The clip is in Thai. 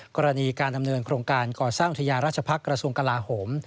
กรณีการดำเนินโครงการก่อสร้างอุทยาราชพักษ์กระทรวงกลาโหม